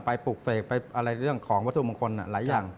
ปลูกเสกไปอะไรเรื่องของวัตถุมงคลหลายอย่าง